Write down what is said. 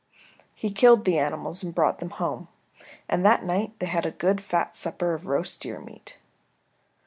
He killed the animals and brought them home, and that night they had a good fat supper of roast deer meat.